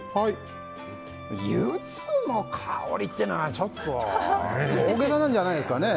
ユズの香りっていうのはちょっと大げさなんじゃないですかね。